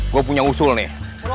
gue punya usul nih